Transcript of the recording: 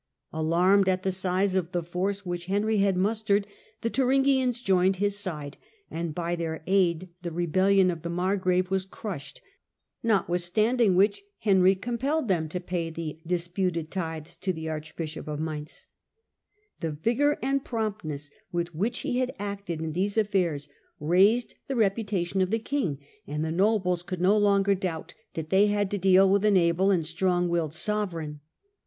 Alarmed at the size of the force which Henry had mustered, the Thuringians joined his side, and by their aid the rebellion of the margrave was crushed, notwithstanding which Henry compelled them to pay the disputed tithes to the archbishop of Mainz. The vigour and promptness with which he had acted in these affairs raised the reputation of the king ; and the nobles could no longer doubt that they had to deal with an able and strong willed sovereign.